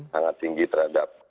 sangat tinggi terhadap